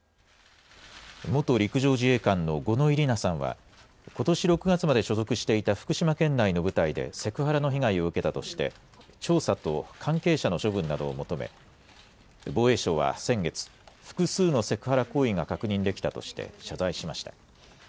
元陸上自衛官の五ノ井里奈さんは、ことし６月まで所属していた福島県内の部隊でセクハラの被害を受けたとして、調査と関係者の処分などを求め、防衛省は先月、複数のセクハラ行為が確認できたとして、謝罪しました。